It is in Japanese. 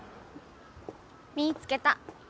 ・見つけた！